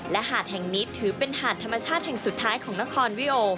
และหาดแห่งนี้ถือเป็นหาดธรรมชาติแห่งสุดท้ายของนครวิโอ